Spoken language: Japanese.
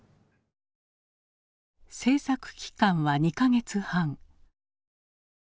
制作期間は２か月半。